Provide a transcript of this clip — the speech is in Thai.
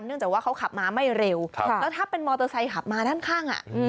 จากว่าเขาขับมาไม่เร็วแล้วถ้าเป็นมอเตอร์ไซค์ขับมาด้านข้าง